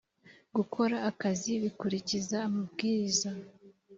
gukora akazi bikurikiza amabwiriza